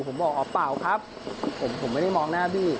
ผมบอกอ๋อเปล่าครับผมไม่ได้มองหน้าพี่